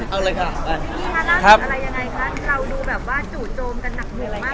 เอาเลยค่ะไป